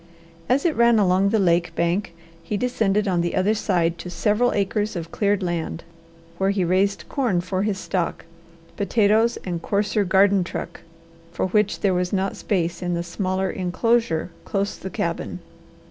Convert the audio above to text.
As it ran along the lake bank he descended on the other side to several acres of cleared land, where he raised corn for his stock, potatoes, and coarser garden truck, for which there was not space in the smaller enclosure close the cabin.